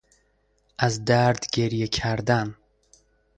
از درد گریه کردن